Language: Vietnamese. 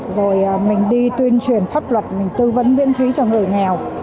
rồi mình đi tuyên truyền pháp luật mình tư vấn miễn phí cho người nghèo